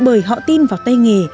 bởi họ tin vào tay nghề